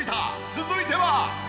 続いては。